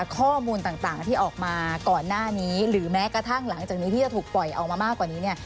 ข้อมูลต่างที่ออกมาก่อนหน้านี้หรือแม้กระทั่งหลังจากนี้ที่จะถูกปล่อยออกมามากกว่านี้เนี่ย